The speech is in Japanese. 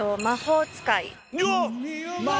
よっ！